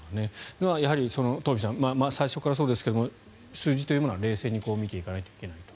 やはり、トンフィさん最初からそうですが数字というものは冷静に見ていかないといけないと。